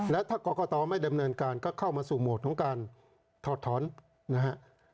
และถ้ากรกตไม่ดำเนินการก็เข้ามาสู่โหมดของการถอดถอนนะฮะ